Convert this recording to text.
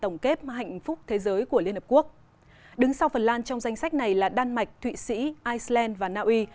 đứng sau phần lan trong danh sách này là đan mạch thụy sĩ iceland và naui